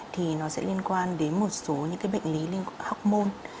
thì nó sẽ liên quan đến một số những cái bệnh lý liên quan đến học môn